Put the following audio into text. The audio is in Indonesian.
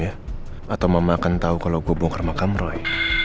atau mama akan tahu kalau gue bongkar makam roy